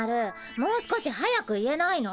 もう少し速く言えないの？